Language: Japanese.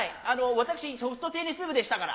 私、ソフトテニス部でしたから。